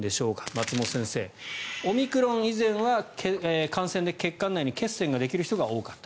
松本先生、オミクロン以前は感染で血管内に血栓ができる人が多かった。